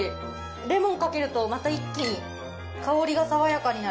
レモンかけるとまた一気に香りが爽やかになる。